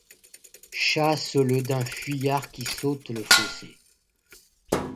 Chassent le daim fuyard qui saute le fossé